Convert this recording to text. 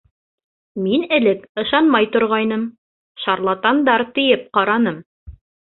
Мин элек ышанмай торғайным, шарлатандар тиеп ҡараным.